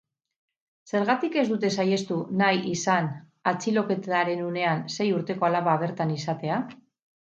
Zergatik ez dute saihestu nahi izan atxiloketaren unean sei urteko alaba bertan izatea?